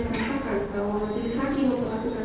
merasakan bahwa majelis haki memperlakukan